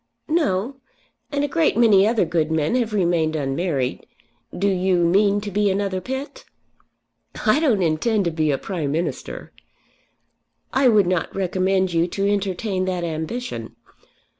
"No; and a great many other good men have remained unmarried. Do you mean to be another Pitt?" "I don't intend to be a Prime Minister." "I would not recommend you to entertain that ambition.